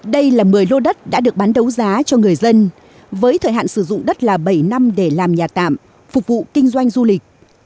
đây là một mươi lô đất đã được bán đấu giá cho người dân với thời hạn sử dụng đất là bảy năm để làm nhà tạm phục vụ kinh doanh du lịch